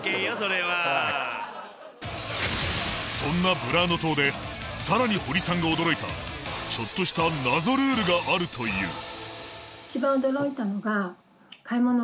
そんなブラーノ島で更に堀さんが驚いたちょっとした謎ルールがあるという。